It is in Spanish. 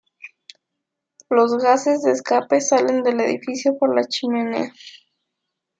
Los gases de escape salen del edificio por la chimenea.